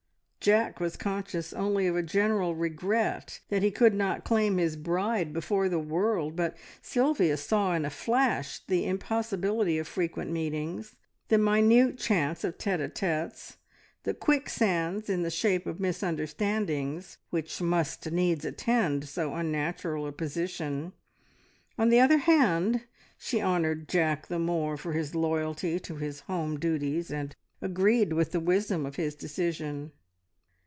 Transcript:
Jack was conscious only of a general regret that he could not claim his bride before the world, but Sylvia saw in a flash the impossibility of frequent meetings, the minute chance of tete a tetes, the quicksands in the shape of misunderstandings, which must needs attend so unnatural a position. On the other hand, she honoured Jack the more for his loyalty to his home duties, and agreed with the wisdom of his decision.